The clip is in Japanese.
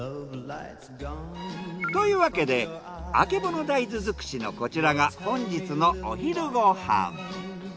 というわけであけぼの大豆づくしのこちらが本日のお昼ご飯。